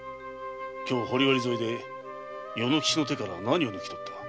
今日堀割沿いで与之吉の手から何を抜き取った？